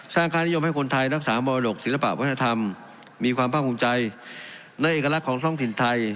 ค่านิยมให้คนไทยรักษามรดกศิลปะวัฒนธรรมมีความภาคภูมิใจในเอกลักษณ์ของท้องถิ่นไทย